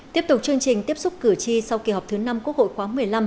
tiếp tục chương trình tiếp xúc cử tri sau kỳ họp thứ năm quốc hội khóa một mươi năm